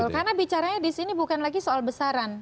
karena bicaranya di sini bukan lagi soal besaran